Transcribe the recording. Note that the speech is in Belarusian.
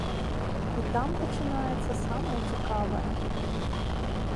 І там пачынаецца самае цікавае.